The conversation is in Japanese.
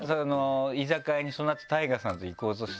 居酒屋にその後ＴＡＩＧＡさんと行こうとしたらね